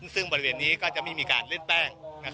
ซึ่งบริเวณนี้ก็จะไม่มีการเลื่อนแป้ง